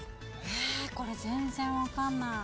えっこれ全然分かんない。